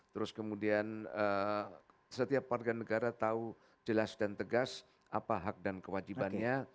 terus kemudian setiap warga negara tahu jelas dan tegas apa hak dan kewajibannya